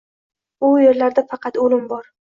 U yerlarda faqat o’lim bor